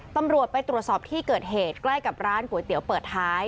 ตำรวจไปตรวจสอบที่เกิดเหตุใกล้กับร้านก๋วยเตี๋ยวเปิดท้าย